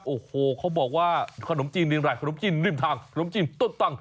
โอ้โหเขาบอกว่าขนมจีนเรียมอะไรขนมจีนริมทางขนมจีนต้นตัง